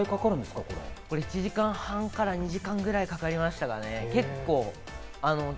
これ１時間半から２時間ぐらいかかりましたかね。